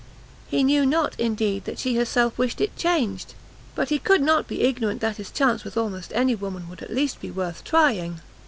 he knew not, indeed, that she herself wished it changed, but he could not be ignorant that his chance with almost any woman would at least be worth trying.